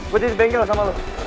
gue jadi bengkel sama lo